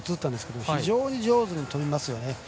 非常に上手に飛びますね。